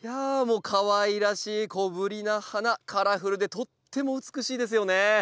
もうかわいらしい小ぶりな花カラフルでとっても美しいですよね。